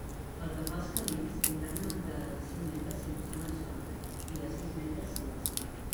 Pel que fa als camins, tindran una amplada de cinc metres si no estan asfaltats, i de sis metres si ho estan.